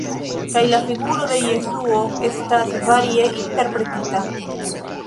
Kaj la figuro de Jesuo estas varie interpretita.